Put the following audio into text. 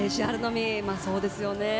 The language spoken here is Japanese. そうですよね。